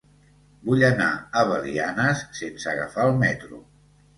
Vull anar a Belianes sense agafar el metro.